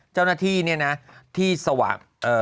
เจ้าหน้าที่เนี่ยนะที่สว่าง